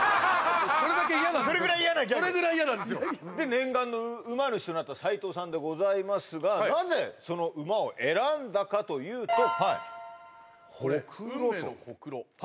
今それぐらい嫌なギャグそれぐらい嫌なんですよで念願の馬主となった斉藤さんでございますがなぜその馬を選んだかというとはいホクロ運命のホクロ